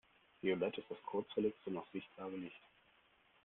Violett ist das kurzwelligste noch sichtbare Licht.